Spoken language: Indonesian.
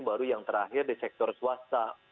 baru yang terakhir di sektor swasta